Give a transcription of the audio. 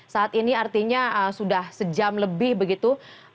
saat ini artinya sudah sejam lebih begitu